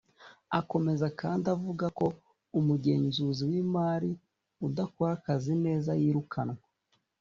Akomeza kandi avuga ko umugenzuzi w’imari udakora akazi neza yirukanwa